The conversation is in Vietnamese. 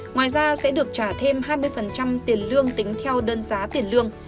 ngoài ra sẽ được trả thêm hai mươi tiền lương tính theo đơn giá tiền lương